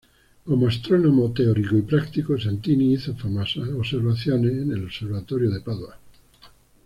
Como astrónomo teórico y práctico, Santini hizo famosas observaciones en el Observatorio de Padua.